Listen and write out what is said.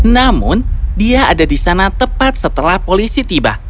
namun dia ada di sana tepat setelah polisi tiba